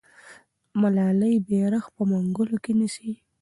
ملالۍ بیرغ په منګولو کې نیسي.